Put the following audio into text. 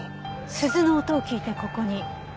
鈴の音を聞いてここに。